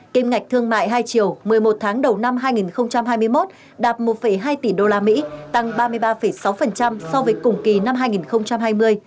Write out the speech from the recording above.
kim ngạch thương mại hai triệu một mươi một tháng đầu năm hai nghìn hai mươi một đạt một hai tỷ usd tăng ba mươi ba sáu so với cùng kỳ năm hai nghìn hai mươi